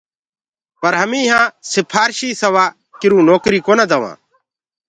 پر همي يهآنٚ سِپهارشي سِوا ڪِرو نوڪريٚ ڪونآ دوآنٚ۔